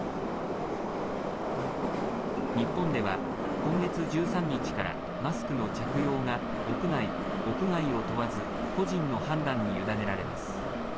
日本では、今月１３日からマスクの着用が屋内、屋外を問わず個人の判断に委ねられます。